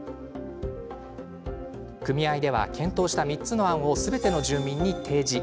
組合では検討した３つの案をすべての住民に提示。